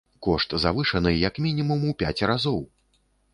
Кошт завышаны як мінімум у пяць разоў!